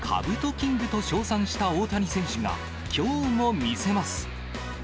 キングと称賛した大谷選手が、きょうも見せます。